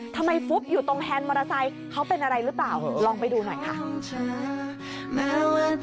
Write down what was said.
ฟุ๊บอยู่ตรงแฮนด์มอเตอร์ไซค์เขาเป็นอะไรหรือเปล่าลองไปดูหน่อยค่ะ